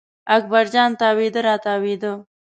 اکبر جان تاوېده را تاوېده.